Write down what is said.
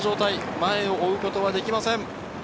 前を追うことはできません。